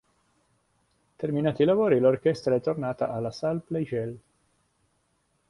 Terminati i lavori, l'orchestra è tornata alla Salle Pleyel.